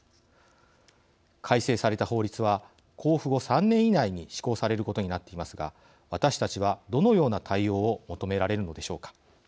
改正された法律は公布後３年以内に施行されることになっていますが私たちはどのような対応を求められるのでしょうか。